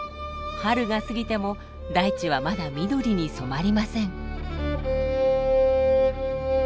春が過ぎても大地はまだ緑に染まりません。